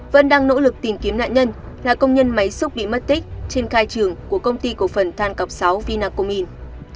vẫn đang nỗ lực tìm kiếm nạn nhân là công nhân máy xúc bị mất tích trên khai trường của công ty cổ phần than cọc sáu vinacomin